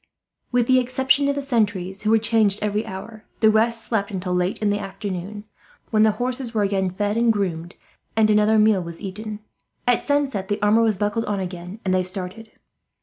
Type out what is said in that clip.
With the exception of the sentries, who were changed every hour, the rest slept until late in the afternoon; then the horses were again fed and groomed, and another meal was eaten. At sunset the armour was buckled on again, and they started.